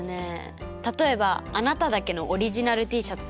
例えば「あなただけのオリジナルＴシャツを！